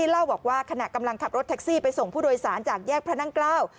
เล่าบอกว่าขณะกำลังขับรถแท็กซี่ไปส่งผู้โดยสารจากแยกพระนั่งเกล้า